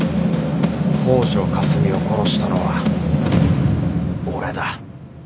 北條かすみを殺したのは俺だ。